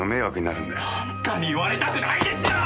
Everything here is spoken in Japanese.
あんたに言われたくないですよ！